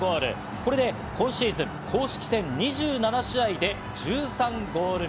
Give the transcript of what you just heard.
これで今シーズン公式戦２７試合で１３ゴール目。